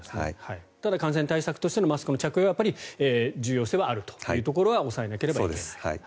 ただ感染対策としてのマスクの着用は重要性はあるというところは押さえなければいけない。